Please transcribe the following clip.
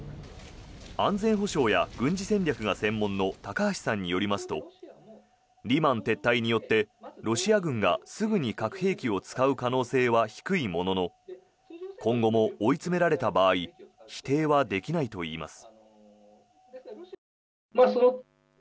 安全保障や軍事戦略が専門の高橋さんによりますとリマン撤退によってロシア軍がすぐに核兵器を使う可能性は低いものの今後も追い詰められた場合否定はできないといいます。